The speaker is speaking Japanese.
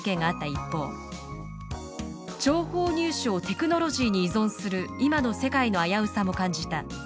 一方「情報入手をテクノロジーに依存する今の世界の危うさも感じた。